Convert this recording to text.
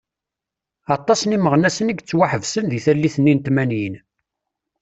Aṭas n imeɣnasen i yettwaḥebsen di tallit-nni n tmanyin.